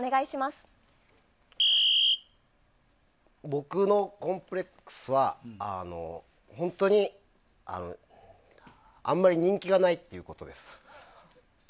僕のコンプレックスは本当にあまり人気がないということです。